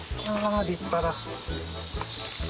立派だ。